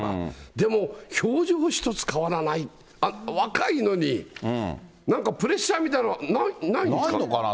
でも表情一つ変わらない、若いのに、なんかプレッシャーみたいのないのかな。